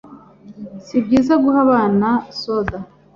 Si byiza guha abana soda,